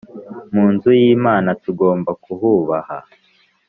mu nzu y Imana tugomba kuhubaha.